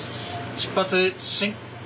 出発進行。